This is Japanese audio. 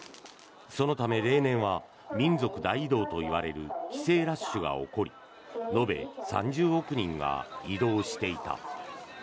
そのため例年は民族大移動といわれる帰省ラッシュが起こり延べ３０億人が移動していた。